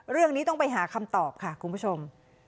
เรื่องนี้ต้องไปหาคำตอบค่ะคุณผู้ชม